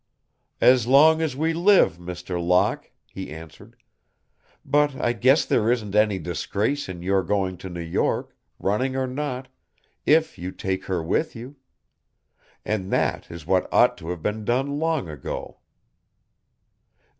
"As long as we live, Mr. Locke," he answered. "But I guess there isn't any disgrace in your going to New York, running or not, if you take her with you. And that is what ought to have been done long ago."